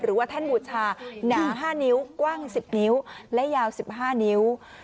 หรือว่าแท่นบูชาหนาห้านิ้วกว้างสิบนิ้วและยาวสิบห้านิ้ว